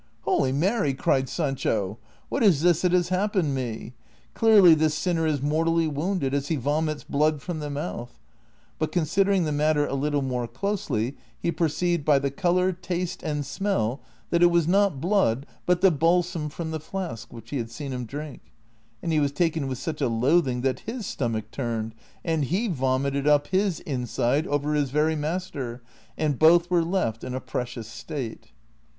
" Holy Mary !" cried Sancho, " what is this that has hap pened me ? Clearly this sinner is mortally wounded, as lie vomits blood from the mouth ;" but considering the matter a little more closely he perceived by the color, taste, and smell, that it was not blood but the balsam from the flask which he had seen him drink ; and he was taken with such a loathing that his stomach turned, and he vomited up his inside over his very master, and both were left in a precious state.